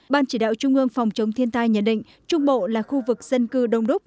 ban chỉ đạo trung ương phòng chống thiên tai nhận định trung bộ là khu vực dân cư đông đúc